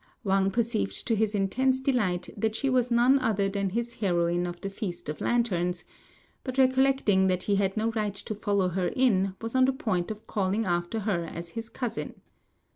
Wang perceived to his intense delight that she was none other than his heroine of the Feast of Lanterns; but recollecting that he had no right to follow her in, was on the point of calling after her as his cousin.